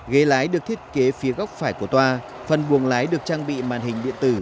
ghế lái được thiết kế phía góc phải của toa phần buồng lái được trang bị màn hình điện tử